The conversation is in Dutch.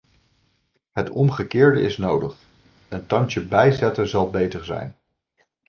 Het omgekeerde is nodig, een tandje bijzetten zal beter zijn.